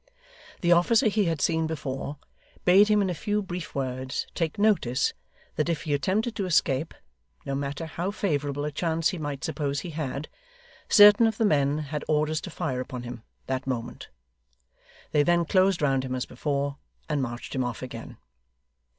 The officer he had seen before, bade him in a few brief words take notice that if he attempted to escape, no matter how favourable a chance he might suppose he had, certain of the men had orders to fire upon him, that moment. They then closed round him as before, and marched him off again.